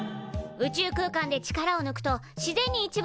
宇宙空間で力をぬくと自然に一番楽な姿勢